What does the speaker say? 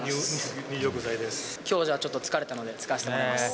きょうじゃあちょっと疲れたので、使わせてもらいます。